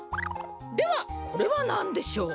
ではこれはなんでしょう？